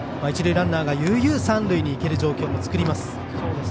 一塁ランナーが悠々三塁に行ける状況も作ります。